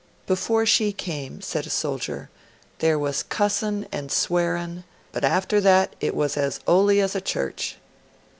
'Before she came,' said a soldier, 'there was cussin' and swearin' but after that it was as 'oly as a church.'